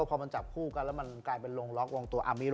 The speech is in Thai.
พอมันจับคู่และมันกลายเป็นโรงล็อตรงตัว